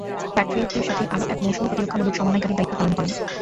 প্যাট্রিয়টদের সাথে আরও এক মৌসুম প্রতিরক্ষামূলক সমন্বয়কারীর দায়িত্ব পালন করেন।